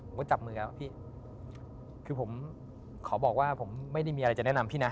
ว่าจับมือแล้วพี่คือผมขอบอกว่าผมไม่ได้มีอะไรจะแนะนำพี่นะ